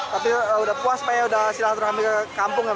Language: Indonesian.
tapi udah puas pak ya udah silahkan terhami ke kampung ya